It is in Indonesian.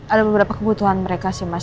ada beberapa kebutuhan mereka sih mas